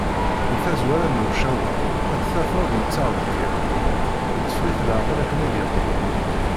Deg tazwara n leɛwacar, ad t-tafeḍ yettaɣ-d kan, itteffeɣ-it leɛqel akken ad d-yeqḍu.